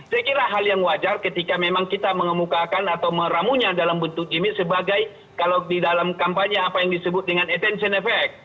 saya kira hal yang wajar ketika memang kita mengemukakan atau meramunya dalam bentuk gimmick sebagai kalau di dalam kampanye apa yang disebut dengan attention effect